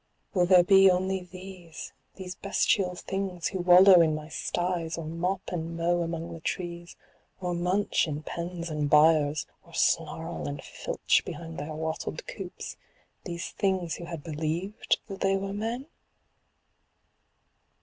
will there be only these, these bestial things who wallow in my styes, or mop and mow among the trees, or munch in pens and byres, or snarl and filch behind their wattled coops; these things who had believed that they were men